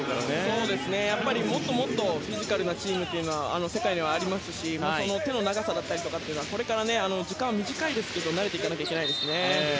やはりもっともっとフィジカルなチームというのは世界にはありますし手の長さなどにはこれから、時間は短いですが慣れていかなきゃいけないです。